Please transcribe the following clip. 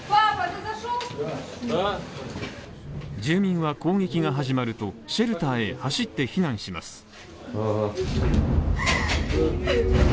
住民は攻撃が始まるとシェルターへ走って避難します。